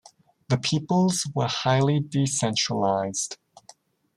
The peoples were highly decentralized.